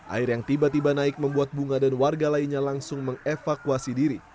air yang tiba tiba naik membuat bunga dan warga lainnya langsung mengevakuasi diri